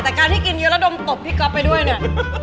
แต่การที่กินเยอะแล้วดมตบพี่ก๊อฟไปด้วยเนี่ย